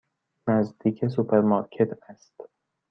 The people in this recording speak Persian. نزدیک سوپرمارکت است.